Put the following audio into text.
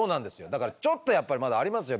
だからちょっとやっぱりまだありますよ